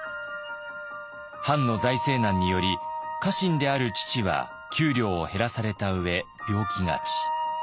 藩の財政難により家臣である父は給料を減らされたうえ病気がち。